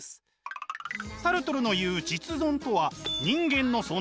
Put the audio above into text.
サルトルの言う「実存」とは人間の存在